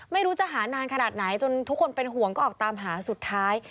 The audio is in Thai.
ไม่รู้จะหานานขนาดไหนจนทุกคนเป็นห่วงก็ออกตามหาสุดท้าย